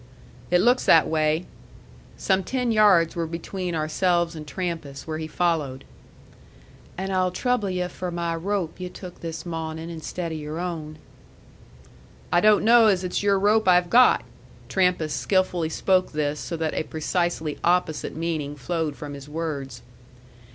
"It looks that way." Some ten yards were between ourselves and Trampas, where he followed. "And I'll trouble yu' for my rope yu' took this mawnin' instead o' your own." "I don't know as it's your rope I've got." Trampas skilfully spoke this so that a precisely opposite meaning flowed from his words.